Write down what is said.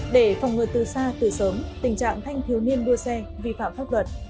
để phòng ngừa từ xa từ sớm tình trạng thanh thiếu niên đua xe vi phạm pháp luật